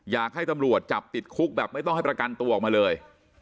อยากให้ตำรวจจับติดคุกแบบไม่ต้องให้ประกันตัวออกมาเลย